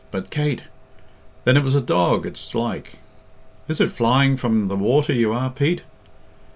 But, Kate " "Then it was a dog, it's like. Is it flying from the water you are, Pete?"